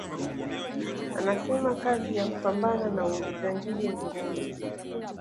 Anasema kazi ya kupambana na ujangili ni ngumu